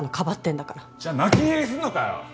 じゃあ泣き寝入りするのかよ！